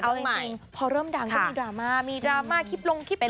เอาจริงพอเริ่มดังก็มีดราม่ามีดราม่าคลิปลงคลิป